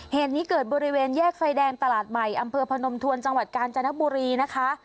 เหตุนี้เกิดบริเวณแยกไฟแดงตลาดใหม่อำเภอพนมทวนจังหวัดกาญจนบุรีนะคะ